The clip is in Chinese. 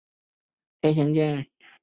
徐擎出道于武汉光谷俱乐部。